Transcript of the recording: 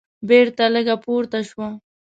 بېرته لږه پورته شوه.